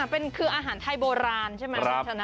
เป็นคืออาหารไทยโบราณใช่ไหมคุณชนะ